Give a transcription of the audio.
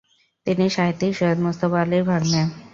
তিনি সাহিত্যিক সৈয়দ মুজতবা আলীর ভাগ্নে।